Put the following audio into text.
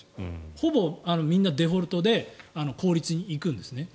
ほぼみんなデフォルトで公立に行くんですね。